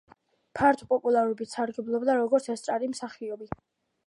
ფართო პოპულარობით სარგებლობდა როგორც ესტრადის მსახიობი.